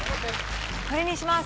これにします